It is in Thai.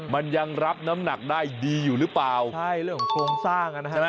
มันยังรับน้ำหนักได้ดีอยู่หรือเปล่าใช่เรื่องของโครงสร้างอ่ะนะฮะ